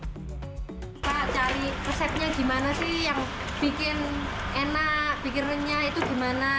pak cari resepnya gimana sih yang bikin enak bikin renyah itu gimana